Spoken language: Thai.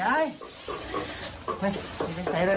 ม่ายยยชิงสเงาก็ได้ก็